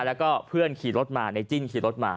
แล้วก็เพื่อนขี่รถมาในจิ้นขี่รถมา